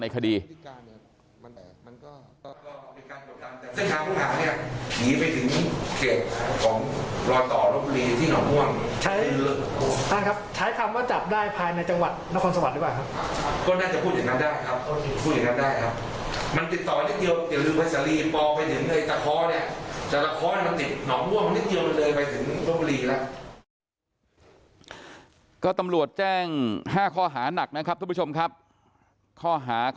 ก็ตำรวจแจ้ง๕ข้อหาหนักนะครับทุกผู้ชมครับข้อหาขอ